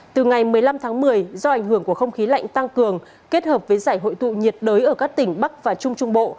từ ngày một mươi năm tháng một mươi do ảnh hưởng của không khí lạnh tăng cường kết hợp với giải hội tụ nhiệt đới ở các tỉnh bắc và trung trung bộ